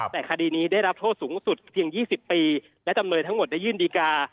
แต่คดีนี้ได้รับโทษสูงสุดเพียง๒๐ปีและจำเลยทั้งหมดได้ยื่นดีการ์